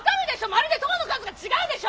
まるで痘の数が違うでしょ！？